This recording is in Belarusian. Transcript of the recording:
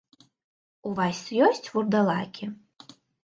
У вас ёсць вурдалакі?